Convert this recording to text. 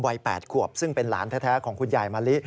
วัย๘ขวบซึ่งเป็นหลานแท้ของคุณยายมะลิ